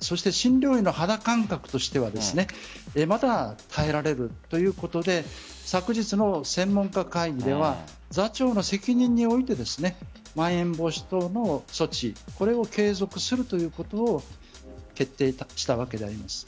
そして診療医の肌感覚としてはまだ耐えられるということで昨日の専門家会議では座長の責任においてまん延防止等の措置これを継続するということを決定したわけです。